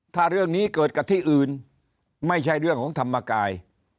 ถ้าเรื่องนี้เกิดกับที่อื่นไม่ใช่เรื่องของธรรมกาย